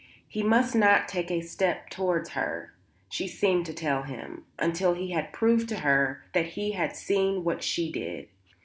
He must not take a step towards her, she seemed to tell him, until he had proved to her that he had seen what she did.